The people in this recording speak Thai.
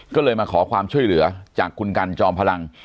ก็เลยมาขอความช่วยเหลือจากคุณกันจอมพลัง